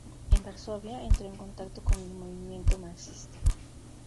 En Varsovia entró en contacto con el movimiento marxista.